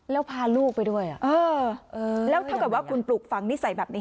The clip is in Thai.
แล้วพาลูกไปด้วยแล้วเท่ากับว่าคุณปลูกฝังนิสัยแบบนี้